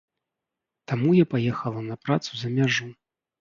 Таму я паехала на працу за мяжу.